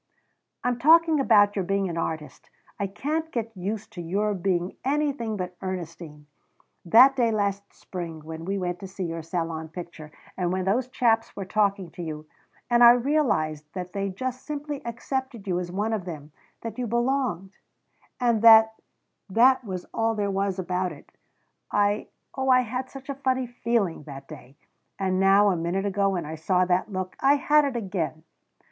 "I'm talking about your being an artist. I can't get used to your being anything but Ernestine! That day last spring when we went to see your Salon picture, and when those chaps were talking to you, and I realised that they just simply accepted you as one of them that you belonged, and that that was all there was about it I, oh I had such a funny feeling that day. And now, a minute ago, when I saw that look, I had it again."